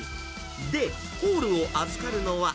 で、ホールを預かるのは。